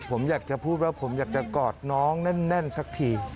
ผมอยากจะพูดว่าผมอยากจะกอดน้องแน่นสักที